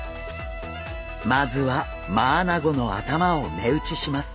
まずはマアナゴの頭を目打ちします。